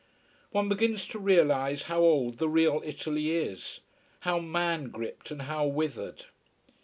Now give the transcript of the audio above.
One begins to realize how old the real Italy is, how man gripped, and how withered.